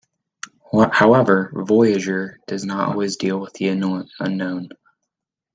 However, "Voyager" does not always deal with the unknown.